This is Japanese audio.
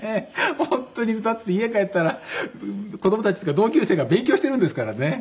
だって家帰ったら子どもたちっていうか同級生が勉強してるんですからね。